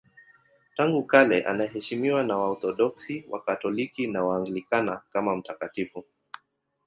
Tangu kale anaheshimiwa na Waorthodoksi, Wakatoliki na Waanglikana kama mtakatifu.